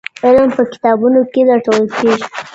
علم په کتابونو کي لټول کیږي.